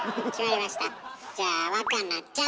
じゃあ若菜ちゃん。